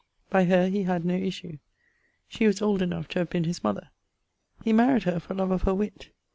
By her he had no issue; she was old enough to have been his mother. He maried her for love of her witt.